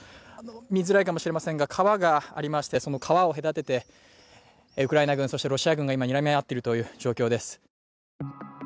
見づらいかもしれませんが、川がありましてその川を隔てて、ウクライナ軍、そしてロシア軍が今、にらみ合ってるという状況です